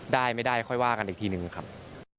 ได้ไม่ได้ค่อยว่ากันอีกทีหนึ่งครับ